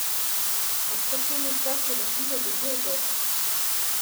La prochaine étape est la ville de Burgos.